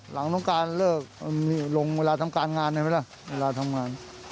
หลังส่งการเริ่มหลกเหลงเวลาทำการงานในเวลาเวลาทำงาน